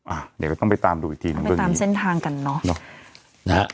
อ่ะเดี๋ยวก็ต้องไปตามดูอีกทีหนึ่งไปตามเส้นทางกันเนอะเนอะนะฮะ